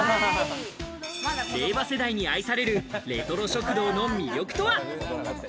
令和世代に愛されるレトロ食堂の魅力とは？